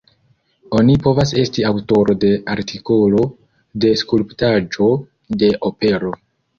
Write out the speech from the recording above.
Oni povas esti aŭtoro de artikolo, de skulptaĵo, de opero.